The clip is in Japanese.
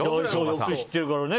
よく知ってるからね。